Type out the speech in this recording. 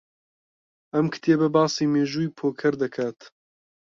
ئەم کتێبە باسی مێژووی پۆکەر دەکات.